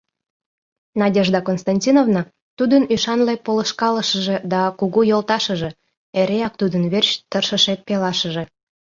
Надежда Константиновна — тудын ӱшанле полышкалышыже да кугу йолташыже, эреак тудын верч тыршыше пелашыже.